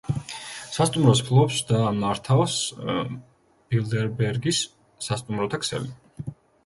სასტუმროს ფლობს და მართავს ბილდერბერგის სასტუმროთა ქსელი.